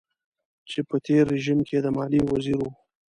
چې په تېر رژيم کې د ماليې وزير و.